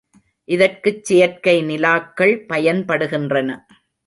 இதற்குச் செயற்கைநிலாக்கள் பயன்படுகின்றன.